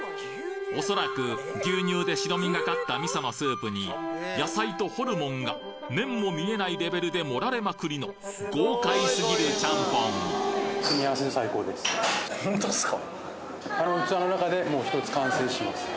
おそらく牛乳で白みがかった味噌のスープに野菜とホルモンが麺も見えないレベルで盛られまくりの豪快すぎるチャンポンほんとっすか？